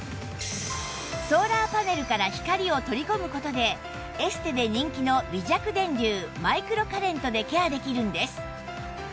ソーラーパネルから光を取り込む事でエステで人気の微弱電流マイクロカレントでケアできるんです